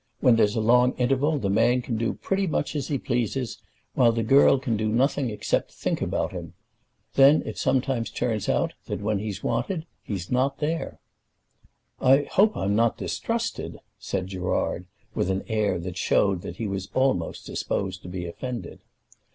When there's a long interval the man can do pretty much as he pleases, while the girl can do nothing except think about him. Then it sometimes turns out that when he's wanted, he's not there." "I hope I'm not distrusted," said Gerard, with an air that showed that he was almost disposed to be offended.